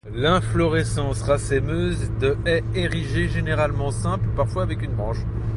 L'inflorescence racèmeuse de est érigée, généralement simple, parfois avec une branche.